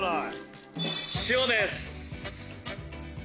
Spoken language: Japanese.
塩です。